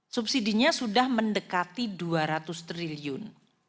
subsidinya sudah mendekati dua ratus triliun